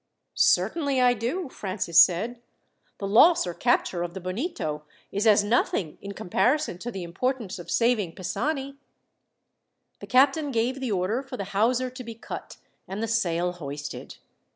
"Certainly I do," Francis said. "The loss or capture of the Bonito is as nothing in comparison to the importance of saving Pisani." The captain gave the order for the hawser to be cut, and the sail hoisted.